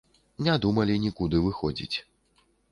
Не думалі нікуды выходзіць.